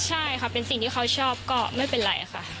ใช่ค่ะเป็นสิ่งที่เขาชอบก็ไม่เป็นไรค่ะ